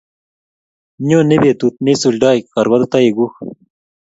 nyoni betu neisuldoi karwotitoikuk